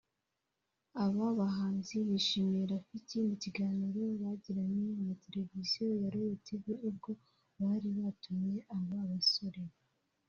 Aba bahanzi bashimiye Rafiki mu kiganiro bagiranye na Televiziyo ya Royal Tv ubwo bari batumiye aba basore